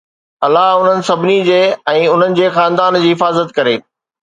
الله انهن سڀني جي ۽ انهن جي خاندان جي حفاظت ڪري